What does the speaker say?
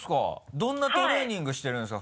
どんなトレーニングしてるんですか？